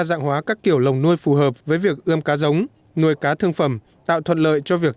dạng hóa các kiểu lồng nuôi phù hợp với việc ươm cá giống nuôi cá thương phẩm tạo thuận lợi cho việc